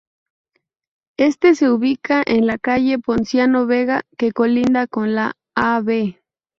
Este se ubica en la calle Ponciano Vega, que colinda con la Av.